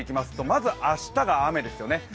まず明日が雨ですよね。